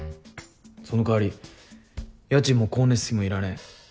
そのかわり家賃も光熱費もいらねぇ。